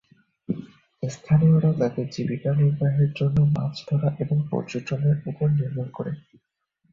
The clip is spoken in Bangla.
স্থানীয়রা তাদের জীবিকা নির্বাহের জন্য মাছ ধরা এবং পর্যটনের উপর নির্ভর করে।